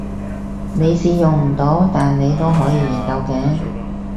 你試用唔到但你都可以研究嘅